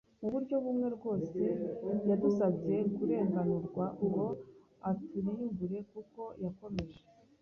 Mu buryo bumwe, rwose, yadusabye kurenganurwa ngo aturimbure, kuko yakomeje